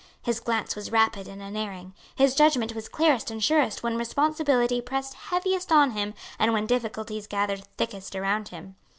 His glance was rapid and unerring. His judgment was clearest and surest when responsibility pressed heaviest on him and when difficulties gathered thickest around him.